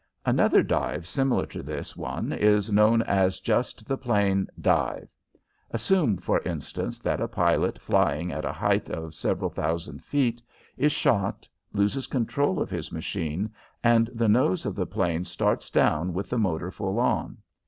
Another dive similar to this one is known as just the plain "dive." Assume, for instance, that a pilot flying at a height of several thousand feet is shot, loses control of his machine, and the nose of the plane starts down with the motor full on.